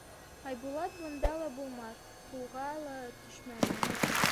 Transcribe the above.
Айбулат бында ла булмаҫ, ҡулға ла төшмәгәндер.